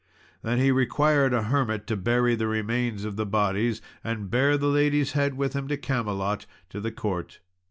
Then he required a hermit to bury the remains of the bodies, and bare the lady's head with him to Camelot, to the court.